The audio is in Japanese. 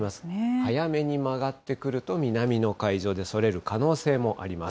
早めに曲がってくると、南の海上でそれる可能性もあります。